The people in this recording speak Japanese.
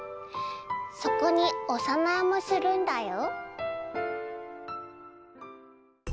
そこにお供えもするんだよ。